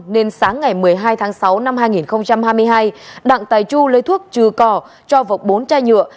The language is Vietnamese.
nên sáng ngày một mươi hai tháng sáu năm hai nghìn hai mươi hai đặng tài chu lấy thuốc trừ cỏ cho vực bốn chai nhựa